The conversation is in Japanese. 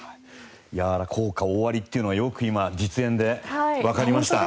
効果大ありというのがよく今実演でわかりました。